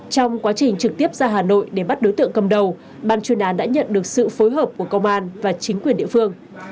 trong quá trình trực tiếp ra hà nội để bắt đối tượng cầm đầu ban chuyên án đã nhận được sự phối hợp của công an và chính quyền địa phương